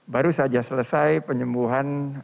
baru saja selesai penyembuhan